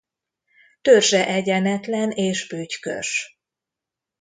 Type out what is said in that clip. Törzse egyenetlen és bütykös.